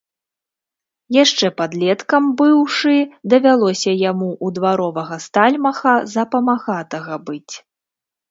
Яшчэ падлеткам быўшы, давялося яму ў дваровага стальмаха за памагатага быць.